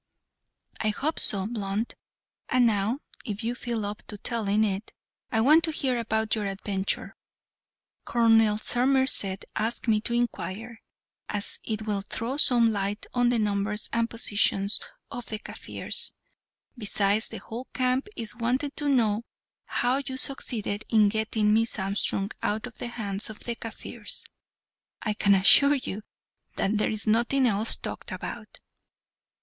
"I hope so, Blunt. And now, if you feel up to telling it, I want to hear about your adventure. Colonel Somerset asked me to inquire, as it will throw some light on the numbers and position of the Kaffirs; besides, the whole camp is wanting to know how you succeeded in getting Miss Armstrong out of the hands of the Kaffirs. I can assure you that there is nothing else talked about."